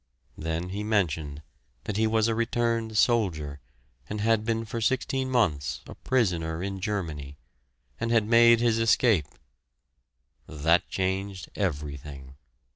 Then he mentioned that he was a returned soldier, and had been for sixteen months a prisoner in Germany, and had made his escape That changed everything!